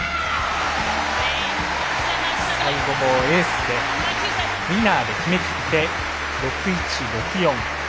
最後もエースでウィナーで決めきって６−１、６−４。